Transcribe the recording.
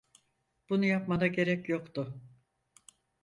Bunu yapmana gerek yoktu.